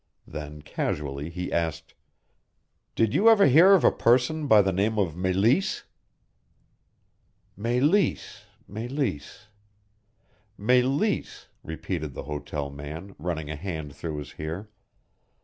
Then, casually, he asked, "Did you ever hear of a person by the name of Meleese?" "Meleese Meleese Meleese " repeated the hotel man, running a hand through his hair.